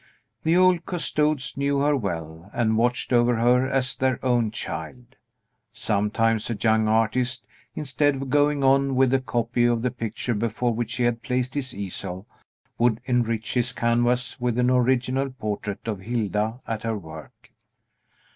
The old custodes knew her well, and watched over her as their own child. Sometimes a young artist, instead of going on with a copy of the picture before which he had placed his easel, would enrich his canvas with an original portrait of Hilda at her work.